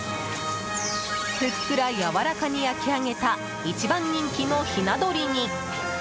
ふっくらやわらかに焼き上げた一番人気のひなどりに。